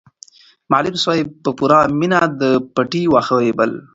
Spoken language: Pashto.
معلم صاحب په پوره مینه د پټي واښه رېبل.